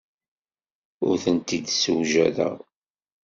Ur tent-id-ssewjadeɣ.